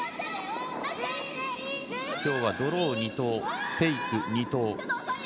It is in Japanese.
今日はドロー２投、テイク２投。